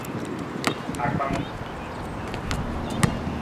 Akpam.